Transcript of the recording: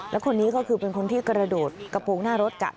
แล้วคนนี้ก็คือเป็นคนที่กระโดดกระโปรงหน้ารถ